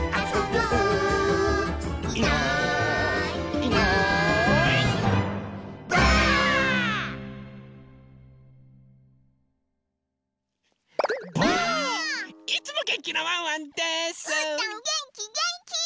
うーたんげんきげんき！